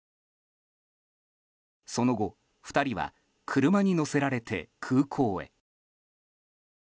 その後、２人は車に乗せられて空港へ。